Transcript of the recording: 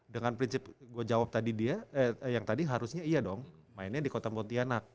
dengan prinsip gue jawab tadi dia yang tadi harusnya iya dong mainnya di kota pontianak